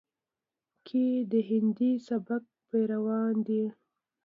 کې د هندي سبک پېروان دي،